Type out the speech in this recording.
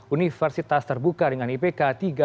universitas terbuka dengan ipk tiga dua puluh delapan